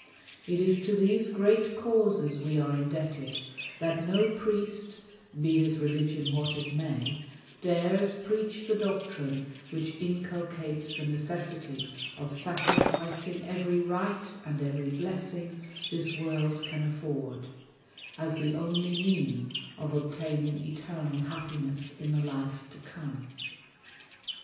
)tis to these great causes we are indebted, that no priest, be his religion what it may, dares preach the doctrine which inculcates the necessity of sacrificing every right and every blessing this world can afford, as the only mean of obtaining eternal hap piness in the life to come.